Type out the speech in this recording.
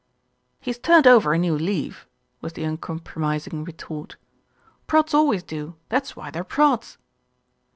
"He's turned over a new leaf," was the uncompro mising retort. "Prods always do, that's why they're prods."